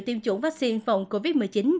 tiêm chủng vaccine phòng covid một mươi chín